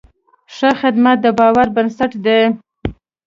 ښه خدمت د باور بنسټ دی.